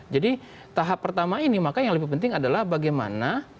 jadi tahap pertama ini maka yang lebih penting adalah bagaimana